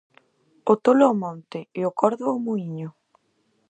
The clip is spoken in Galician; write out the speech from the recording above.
O tolo ao monte e o cordo ao muíño.